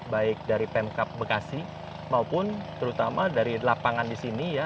baik dari pemkap bekasi maupun terutama dari lapangan di sini ya